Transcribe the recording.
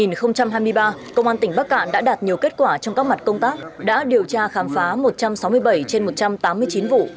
năm hai nghìn hai mươi ba công an tỉnh bắc cạn đã đạt nhiều kết quả trong các mặt công tác đã điều tra khám phá một trăm sáu mươi bảy trên một trăm tám mươi chín vụ